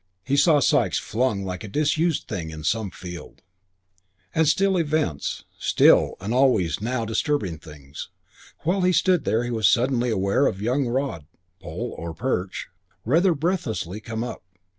He saw Sikes flung like a disused thing in some field.... VIII And still events; still, and always, now, disturbing things. While he stood there he was suddenly aware of Young Rod, Pole or Perch, rather breathlessly come up.